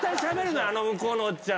あの向こうのおっちゃん。